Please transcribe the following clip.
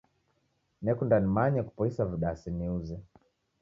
Nekunda nimanye kupoisa vidasi niuze.